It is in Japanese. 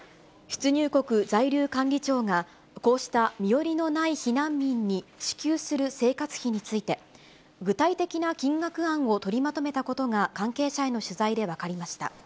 出入国在留管理庁が、こうした身寄りのない避難民に支給する生活費について、具体的な金額案を取りまとめたことが、関係者への取材で分かりました。